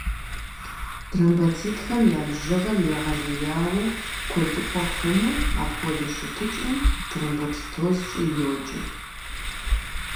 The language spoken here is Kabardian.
Тромбоцитхэм я бжыгъэр егъэлеяуэ куэдыӏуэ хъумэ, апхуэдэ щытыкӏэм тромбоцитозкӏэ йоджэ.